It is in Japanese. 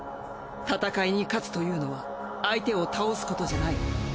戦いに勝つというのは相手を倒すことじゃない。